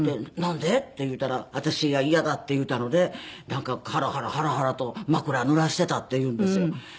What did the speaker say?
「なんで？」って言うたら私が嫌だって言うたので「ハラハラハラハラと枕濡らしてた」って言うんですよ。